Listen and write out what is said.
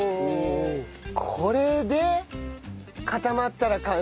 これで固まったら完成？